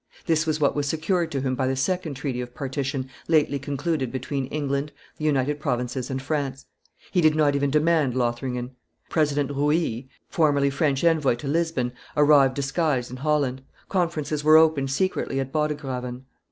This was what was secured to him by the second treaty of partition lately concluded between England, tine United Provinces, and France; he did not even demand Lothringen. President Rouille, formerly French envoy to Lisbon, arrived disguised in Holland; conferences were opened secretly at Bodegraven.